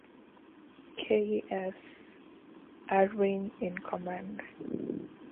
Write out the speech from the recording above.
Kay S. Irwin in command.